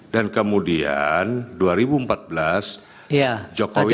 dan kemudian dua ribu empat belas jokowi menang